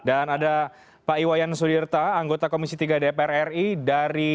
dan ada pak iwayan sudirta anggota komisi tiga dpr ri